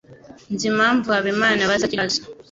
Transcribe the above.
Nzi impamvu Habimana abaza kiriya kibazo.